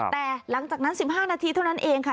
แต่หลังจากนั้น๑๕นาทีเท่านั้นเองค่ะ